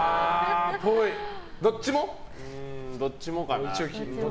どっちもかな。